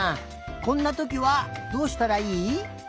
こんなときはどうしたらいい？